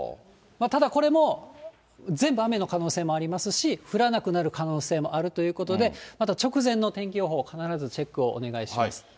ただこれも、全部雨の可能性もありますし、降らなくなる可能性もあるということで、また直前の天気予報を必ずチェックをお願いします。